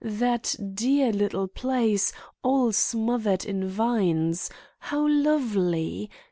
That dear little place all smothered in vines? How lovely!